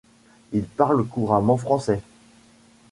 Il parle couramment français.